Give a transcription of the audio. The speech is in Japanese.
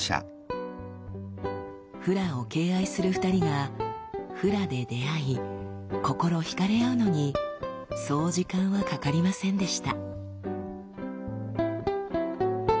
フラを敬愛する２人がフラで出会い心惹かれ合うのにそう時間はかかりませんでした。